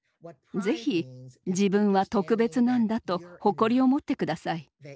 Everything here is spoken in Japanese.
ぜひ「自分は特別なんだ」と誇りを持って下さい。